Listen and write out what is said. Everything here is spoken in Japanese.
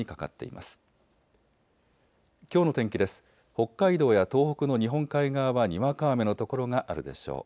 北海道や東北の日本海側はにわか雨の所があるでしょう。